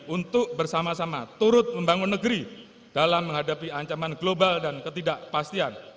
untuk bersama sama turut membangun negeri dalam menghadapi ancaman global dan ketidakpastian